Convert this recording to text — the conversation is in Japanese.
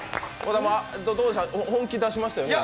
本気出しましたよね？